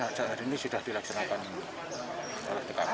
kemudian hari ini sudah dilaksanakan politik ap